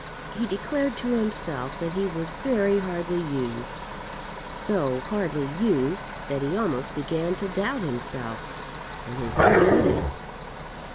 He declared to himself that he was very hardly used, so hardly used, that he almost began to doubt himself and his own motives.